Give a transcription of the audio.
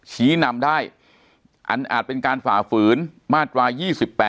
ชี้นำได้อันอาจเป็นการฝ่าฝืนมาตรา๒๘